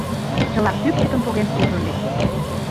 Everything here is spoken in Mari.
Чыла кӱпчыкым поген куржын лекте.